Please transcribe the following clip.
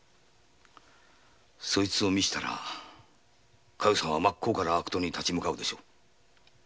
そいつを見せたら加代さんは真っ向から悪党に立ち向かうでしょう。